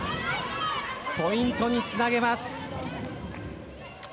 ポイントにつなげます。